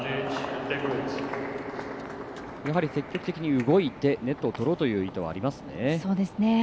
やはり積極的に動いてネットを取ろうという意図はありますね。